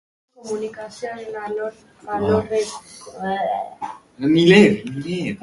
Lanean balitz, kamerak grabaturiko irudiak eska zitzakeen.